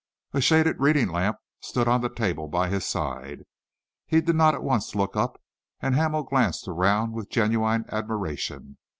A shaded reading lamp stood on the table by his side. He did not at once look up, and Hamel glanced around with genuine admiration.